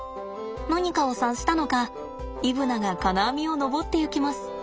何かを察したのかイブナが金網を登っていきます。